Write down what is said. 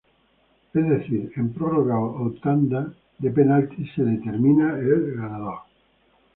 Es decir, en prórroga o tanda de penaltis se determina al ganador.